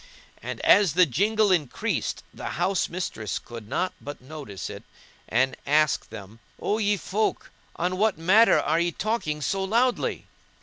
And as the jingle increased the house mistress could not but notice it and asked them, "O ye folk! on what matter are ye talking so loudly?"